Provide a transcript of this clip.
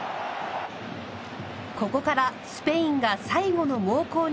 ここからスペインが最後の猛攻に出ます。